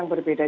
oh berbeda oke